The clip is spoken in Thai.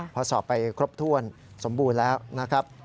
พอสอบไปครบถ้วนสมบูรณ์แล้วนะครับ